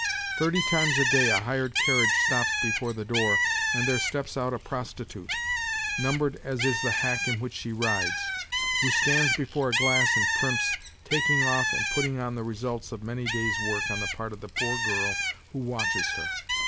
Thirty times a day a hired carriage stops before the door and there steps out a prostitute, numbered as is the hack in which she rides, who stands before a glass and primps, taking off and putting on the results of many days' work on the part of the poor girl who watches her.